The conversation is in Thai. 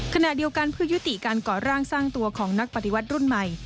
ขณะเดียวกันเพื่อยุติการก่อร่างสร้างตัวของนักปฏิวัติรุ่นใหม่